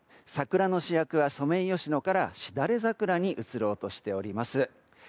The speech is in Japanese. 桜の主役はソメイヨシノからしだれ桜に移ろうとしております。